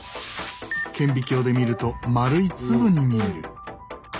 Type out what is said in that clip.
顕微鏡で見ると丸い粒に見える。